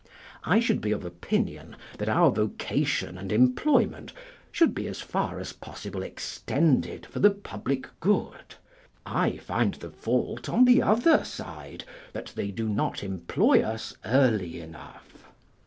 I should be of opinion that our vocation and employment should be as far as possible extended for the public good: I find the fault on the other side, that they do not employ us early enough.